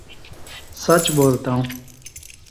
سچ بولتا ہوں